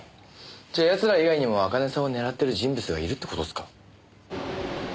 じゃあ奴ら以外にも茜さんを狙ってる人物がいるって事ですか？